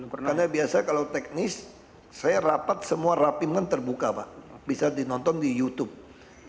karena biasa kalau teknis saya rapat semua rapimen terbuka pak bisa dinonton di youtube